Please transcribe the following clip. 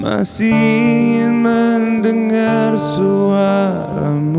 masih ingin mendengar suaramu